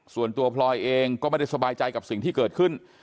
พลอยเองก็ไม่ได้สบายใจกับสิ่งที่เกิดขึ้น